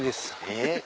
えっ？